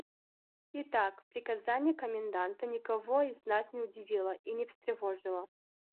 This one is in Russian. Итак, приказание коменданта никого из нас не удивило и не встревожило.